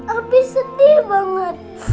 abi sedih banget